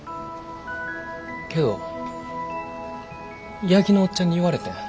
けど八木のおっちゃんに言われてん。